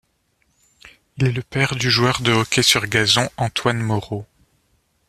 Il est le père du joueur de hockey sur gazon Antoine Moreau.